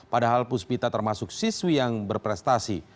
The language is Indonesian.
padahal puspita termasuk siswi yang berprestasi